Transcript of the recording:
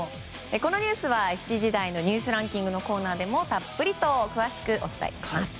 このニュースは７時台のニュースランキングのコーナーでもたっぷり詳しくお伝えします。